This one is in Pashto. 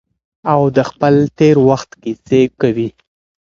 او د خپل تیر وخت کیسې کوي.